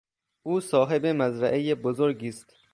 او صاحب مزرعهی بزرگی است.